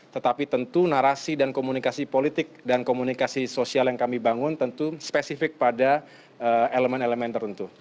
tetapi tentu narasi dan komunikasi politik dan komunikasi sosial yang kami bangun tentu spesifik pada elemen elemen tertentu